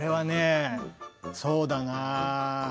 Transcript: そうだな